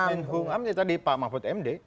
menkumham tadi pak mahfud md